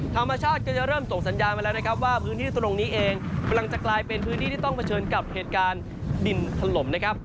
ธรรมชาติก็จะเริ่มส่งสัญญาณมาแล้วนะครับว่าพื้นที่ตรงนี้เองกำลังจะกลายเป็นพื้นที่ที่ต้องเผชิญกับเหตุการณ์ดินถล่มนะครับ